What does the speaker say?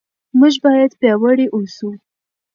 موږ باید پیاوړي اوسو.